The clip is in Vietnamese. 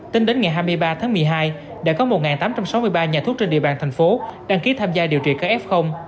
tính đến ngày hai mươi ba tháng một mươi hai đã có một tám trăm sáu mươi ba nhà thuốc trên địa bàn thành phố đăng ký tham gia điều trị các f